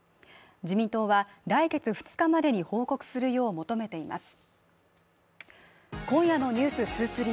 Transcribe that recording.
自民党は来月２日までに報告するよう求めています